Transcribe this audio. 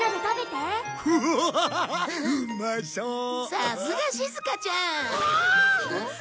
さすがしずかちゃん！